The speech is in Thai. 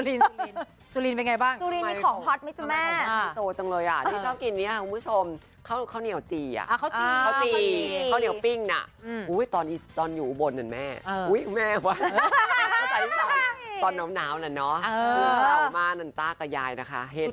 แล้วทำไมฉันต้องพูดภาษาอีสาน